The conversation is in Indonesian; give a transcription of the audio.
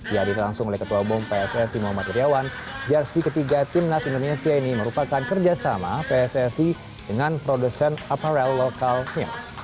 dihadiran langsung oleh ketua bom pssi muhammad iryawan jersi ketiga timnas indonesia ini merupakan kerjasama pssi dengan produsen aparel lokal news